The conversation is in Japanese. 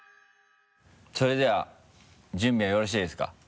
それでは準備はよろしいですか？